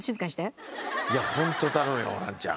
いやホント頼むよホランちゃん。